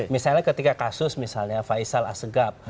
misalnya ketika kasus misalnya faisal asegab